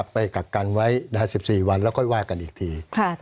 กักกันไว้ได้๑๔วันแล้วค่อยว่ากันอีกที